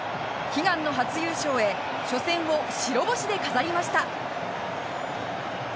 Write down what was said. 悲願の初優勝へ初戦を白星で飾りました。